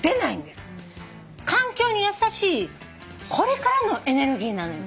環境に優しいこれからのエネルギーなのよ。